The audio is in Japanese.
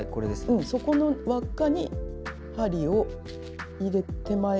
うんそこの輪っかに針を入れ手前から。